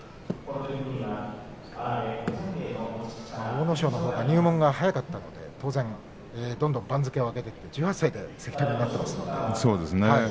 阿武咲のほうが入門が早かったので当然どんどん番付を上げていって１８歳で関取になっていますもんね。